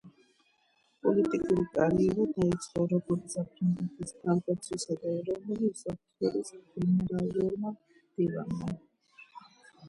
პოლიტიკური კარიერა დაიწყო, როგორც საფრანგეთის თავდაცვისა და ეროვნული უსაფრთხოების გენერალურმა მდივანმა.